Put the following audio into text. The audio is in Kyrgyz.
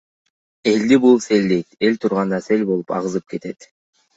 Элди — бул сел дейт, эл турганда сел болуп агызып кетет.